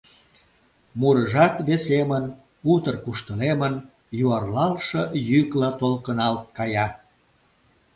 Мурыжат весемын: утыр куштылемын, юарлалше йӱкла толкыналт кая.